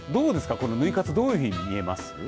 このぬい活どういうふうに見えます。